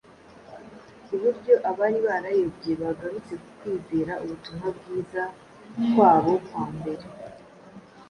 ku buryo abari barayobye bagarutse ku kwizera ubutumwa bwiza kwabo kwa mbere.